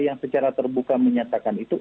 yang secara terbuka menyatakan itu